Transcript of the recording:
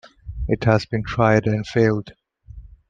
It has been tried and failed.